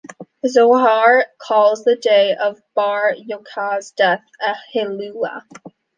The "Zohar" calls the day of Bar Yochai's death a "hillula".